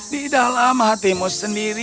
di dalam hatimu sendiri kau telah mencari